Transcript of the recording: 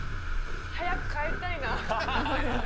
早く帰りたいなぁ。